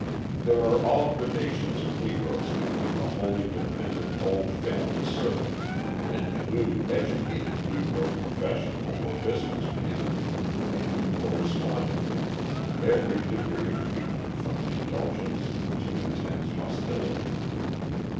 There are all gradations of Negroes between the wholly dependent old family servant and the new, educated Negro professional or business man, and, correspondingly, every degree of treatment from indulgence to intense hostility.